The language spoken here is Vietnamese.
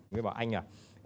nói bảo anh à